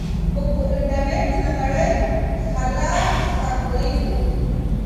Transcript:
موږ په انټرنیټ کې د نړۍ له حاله خبریږو.